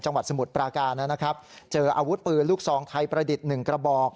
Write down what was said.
จังหวัดสมุทรประการนำนะครับเจออาวุธปืนลูกทรองไทยประดิษฐ์๑กระบอก